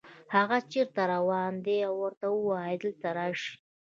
هاغه چېرته روان ده، ورته ووایه دلته راشي